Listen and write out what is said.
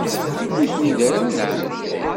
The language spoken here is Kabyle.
Nitni d arraw n ɛemmti.